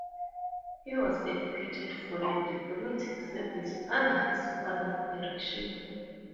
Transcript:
He was educated for the diplomatic service under his father's direction.